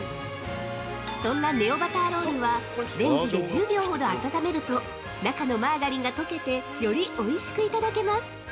そんなネオバターロールはレンジで１０秒ほど温めると、中のマーガリンが溶けてよりおいしくいただけます！